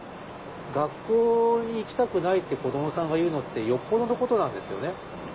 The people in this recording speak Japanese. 学校に行きたくないって子どもさんが言うのってよっぽどのことなんですよね。